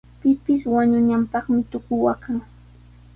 Pipis wañunanpaqmi tuku waqan.